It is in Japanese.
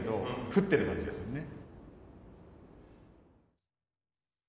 降ってる感じがするね。